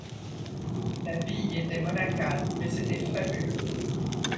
La vie y était monacale, mais c'était fabuleux.